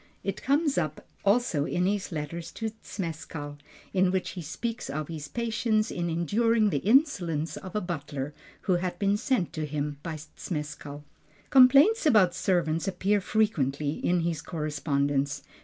It comes up also in his letters to Zmeskall, in which he speaks of his patience in enduring the insolence of a butler, who had been sent him by Zmeskall. Complaints about servants appear frequently in his correspondence.